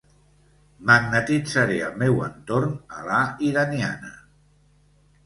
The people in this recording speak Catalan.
Magnetitzaré el meu entorn a la iraniana.